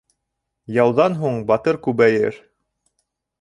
Яуҙан һуң батыр күбәйер.